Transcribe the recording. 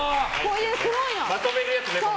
まとめるやつね。